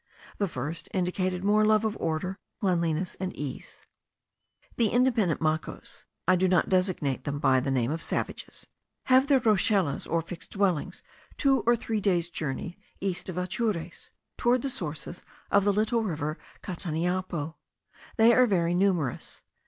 The first indicated more love of order, cleanliness, and ease. The independent Macos (I do not designate them by the name of savages) have their rochelas, or fixed dwellings, two or three days' journey east of Atures, toward the sources of the little river Cataniapo. They are very numerous.